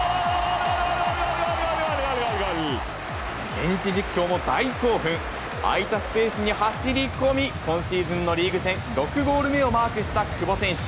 現地実況も大興奮、空いたスペースに走り込み、今シーズンのリーグ戦６ゴール目をマークした久保選手。